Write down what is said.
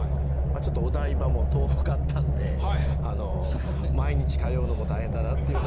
あちょっとお台場も遠かったんで毎日通うのも大変だなっていう。